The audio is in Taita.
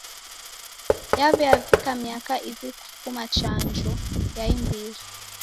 Yaw'iavika miaka iw'i kufuma chanjo ya imbiri.